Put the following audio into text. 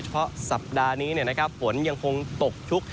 เฉพาะสัปดาห์นี้เนี่ยนะครับฝนยังคงตกชุก